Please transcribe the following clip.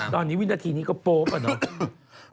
ตอนนี้วินาทีนี้ก็โป๊ปอะเนาะ